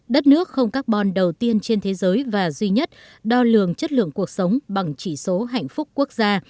đất nước không carbon đầu tiên trên thế giới và duy nhất đo lường chất lượng cuộc sống bằng chỉ số hạnh phúc quốc gia